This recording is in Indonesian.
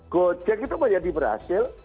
gojek itu menjadi berhasil